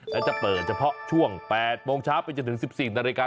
และจะเปิดเฉพาะช่วง๘โมงเช้าไปจนถึง๑๔นาฬิกา